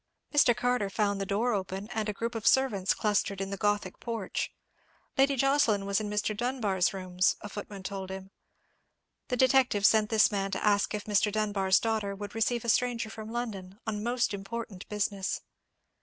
Mr. Carter found the door open, and a group of servants clustered in the gothic porch. Lady Jocelyn was in Mr. Dunbar's rooms, a footman told him. The detective sent this man to ask if Mr. Dunbar's daughter would receive a stranger from London, on most important business.